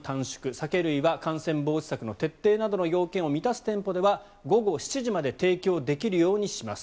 酒類は感染防止策の徹底などの要件を満たす店舗では午後７時まで提供できるようにします。